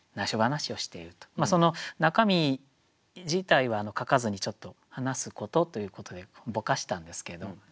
その中身自体は書かずにちょっと「話すこと」ということでぼかしたんですけど。